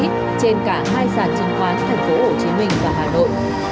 trên cả hai sản chứng khoán thành phố hồ chí minh và hà nội